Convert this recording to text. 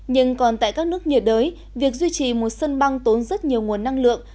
nhưng còn tại các nước nhiệt đới việc duy trì một sân băng tốn rất nhiều nguồn năng lượng